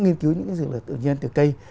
nghiên cứu những dược tự nhiên từ cây